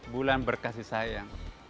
bulan berkasih sayang